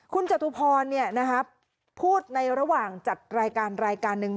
คุณจตุพรพูดในระหว่างจัดรายการรายการหนึ่ง